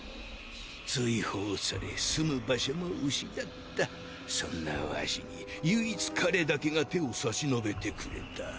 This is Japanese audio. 追放され住む場所も失ったそんなワシに唯一彼だけが手を差し伸べてくれた。